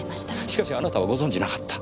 しかしあなたはご存じなかった。